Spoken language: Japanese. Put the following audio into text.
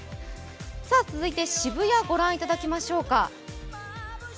続いて渋谷、ご覧いただきましょうか。